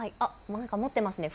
何か持っていますね。